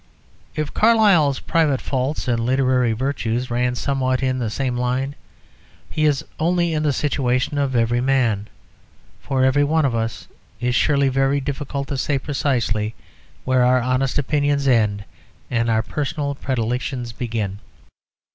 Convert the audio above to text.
If Carlyle's private faults and literary virtues ran somewhat in the same line, he is only in the situation of every man; for every one of us it is surely very difficult to say precisely where our honest opinions end and our personal predilections begin.